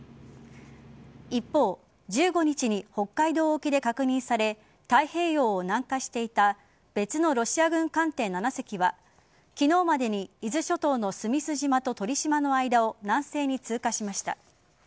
一方、１５日に北海道沖で確認され太平洋を南下していた別のロシア軍艦艇７隻は昨日までに伊豆諸島の須美寿島と鳥島の間を南西に通過しました。